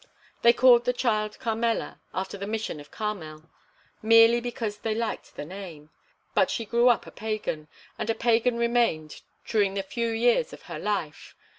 They called the child Carmela, after the Mission of Carmel, merely because they liked the name; but she grew up a pagan, and a pagan remained during the few years of her life.